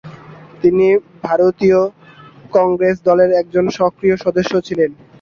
তিনি ভারতীয় কংগ্রেস দলের একজন সক্রিয় সদস্য ছিলেন।